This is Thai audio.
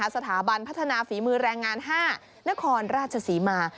สถาบันพัฒนาฝีมือแรงงาน๕นครราชศรีมา